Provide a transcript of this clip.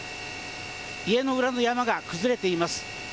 家の裏の山が崩れています。